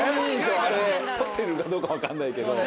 あれ、取ってあるかどうか分かんないけど。